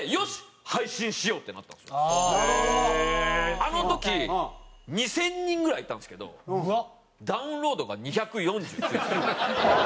あの時２０００人ぐらいいたんですけどダウンロードが２４９？